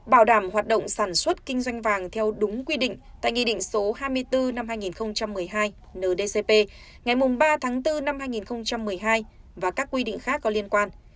bảo đảm hoạt động sản xuất kinh doanh vàng theo đúng quy định tại nghị định số hai mươi bốn năm hai nghìn một mươi hai ndcp ngày ba tháng bốn năm hai nghìn một mươi hai và các quy định khác có liên quan